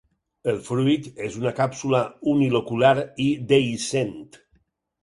El fruit és una càpsula unilocular i dehiscent.